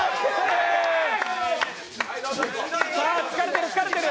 さあ、疲れてる、疲れてる。